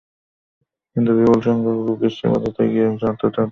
কিন্তু বিপুলসংখ্যক রোগীর সেবা দিতে গিয়ে মাত্র চারজন চিকিৎসককে হিমশিম খেতে হচ্ছে।